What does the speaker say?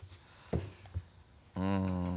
うん。